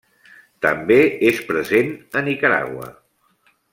També és present a Nicaragua.